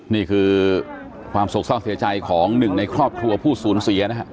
นี่คือความสกซ่อมเสียใจของหนึ่งในครอบครัวผู้ศูนย์เสียนะครับ